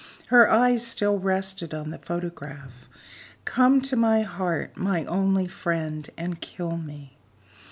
Her eyes still rested on the photograph. "Come to my heart, my only friend, and kill me!"